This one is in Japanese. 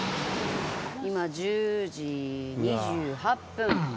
今１０時２８分。